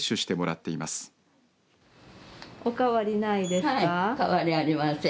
変わりありません。